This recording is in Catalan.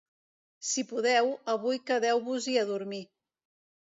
Si podeu, avui quedeu-vos-hi a dormir.